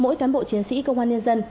mỗi cán bộ chiến sĩ công an nhân dân